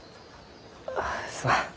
あすまん。